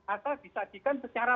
atau disajikan secara